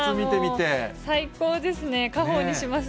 最高ですね。